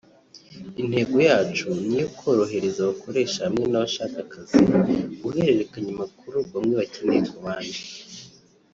Intego yacu ni ukorohereza abakoresha hamwe n’abashaka akazi guhererekanya amakuru bamwe bakeneye ku bandi